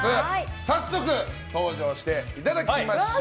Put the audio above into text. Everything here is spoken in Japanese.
早速、登場していただきましょう。